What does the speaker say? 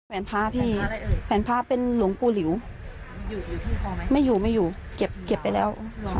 แผนพาพี่เป็นหลวงปู่หลิวไม่อยู่เก็บไปแล้ว